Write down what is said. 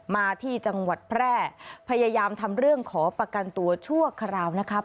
มาที่จังหวัดแพร่พยายามทำเรื่องขอประกันตัวชั่วคราวนะครับ